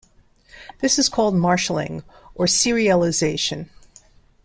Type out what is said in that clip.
This is called marshalling or serialization.